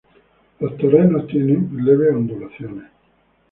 Los terrenos son con leves ondulaciones.